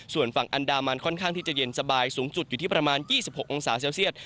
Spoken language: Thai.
ส่วนฝั่งอันดามันค่อนข้างที่จะเย็นสบายสูงสุดอยู่ที่ประมาณ๒๖องศาเซลเซียต